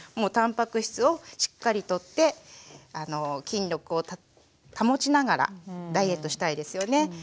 たんぱく質をしっかりとって筋力を保ちながらダイエットしたいですよね。